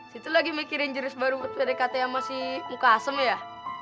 situ lagi mikirin jenis baru buat pdkt sama si muka asem ya